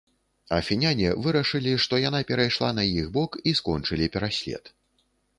Афіняне вырашылі, што яна перайшла на іх бок, і скончылі пераслед.